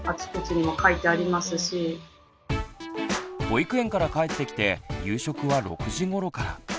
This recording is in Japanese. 保育園から帰ってきて夕食は６時ごろから。